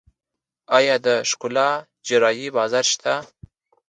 آیا د ښکلا جراحي بازار شته؟